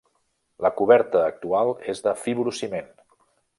La coberta actual és de fibrociment.